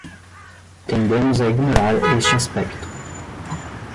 Tendemos a ignorar este aspecto